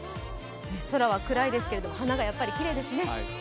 空は暗いですけれども、花がやっぱりきれいですね。